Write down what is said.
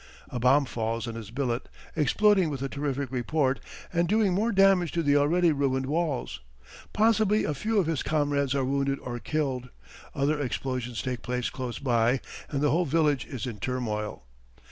A bomb falls in his billet, exploding with a terrific report and doing more damage to the already ruined walls. Possibly a few of his comrades are wounded or killed. Other explosions take place close by and the whole village is in turmoil.